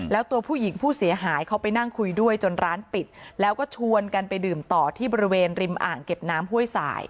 แล้วตัวผู้หญิงผู้เสียหายเขาไปนั่งคุยด้วยจนร้านปิดแล้วก็ชวนกันไปดื่มต่อที่บริเวณริมอ่างเก็บน้ำห้วยสาย